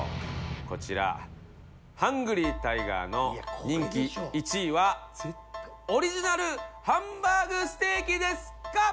こちらハングリータイガーの人気１位はオリジナルハンバーグステーキですか？